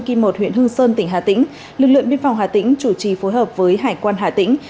kim một huyện hương sơn tỉnh hà tĩnh lực lượng biên phòng hà tĩnh chủ trì phối hợp với hải quan hà tĩnh